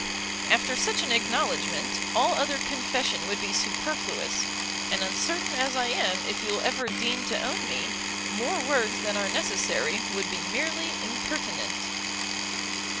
After such an acknowledgment, all other confession would be superfluous; and uncertain as I am if you will ever deign to own me, more words than are necessary would be merely impertinent.